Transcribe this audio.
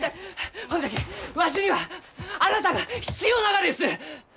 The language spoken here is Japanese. ほんじゃきわしにはあなたが必要ながです！